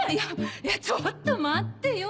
いやちょっと待ってよ。